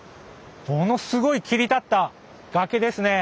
ものすごい切り立った崖ですね。